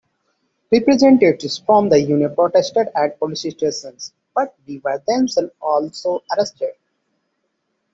Representatives from the union protested at police stations, but were themselves also arrested.